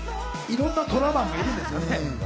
いろんなトラマンがいるんですね。